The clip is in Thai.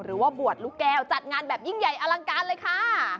หรือว่าบวชลูกแก้วจัดงานแบบยิ่งใหญ่อลังการเลยค่ะ